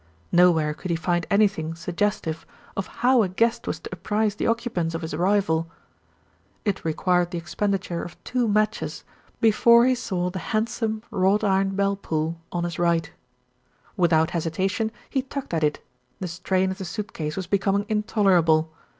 Nowhere could he find anything suggestive of how a guest was to apprise the occupants of his THE GIRL AT THE WINDOW 27 arrival. It required the expenditure of two matches before he saw the handsome wrought iron bell pull on his right. Without hesitation, he tugged at it, the strain of the suit case was becoming intolerable.